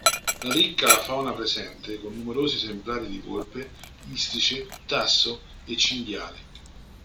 Ricca la fauna presente, con numerosi esemplari di volpe, istrice, tasso e cinghiale.